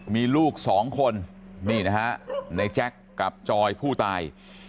มีลูกสองคนนี่นะฮะในแจ็คกับจอยผู้ตาย